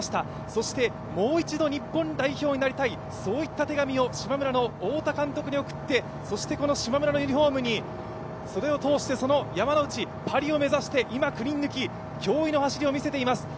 そしてもう一度日本代表になりたいそういった手紙をしまむらの太田監督に送ってそして、このしまむらのユニフォームに袖を通して、山ノ内、パリを目指して今９人抜き、驚異の走りをみせています。